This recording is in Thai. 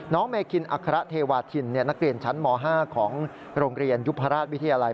เมคินอัคระเทวาทินนักเรียนชั้นม๕ของโรงเรียนยุพราชวิทยาลัย